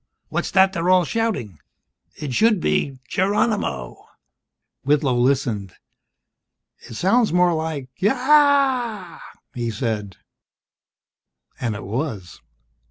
"What's that they're all shouting? It should be 'Geronimo' ..." Whitlow listened. "It sounds more like 'Eeeeeyaaaaa'," he said. And it was.